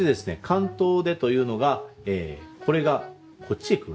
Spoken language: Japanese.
関東手というのがこれがこっちへ来るんですね。